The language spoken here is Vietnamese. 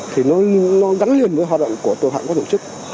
thì nó gắn liền với hoạt động của tội phạm có tổ chức